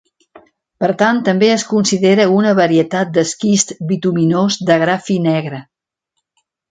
Per tant, també es considera una varietat d'esquist bituminós de gra fi negre.